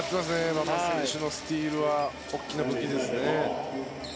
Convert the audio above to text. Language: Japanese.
馬場選手のスチールは大きな武器ですね。